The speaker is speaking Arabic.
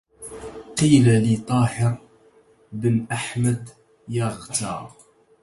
قيل لي طاهر بن أحمد يغتا